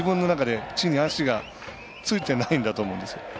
自分の中で、地に足がついてないんだと思うんですよ。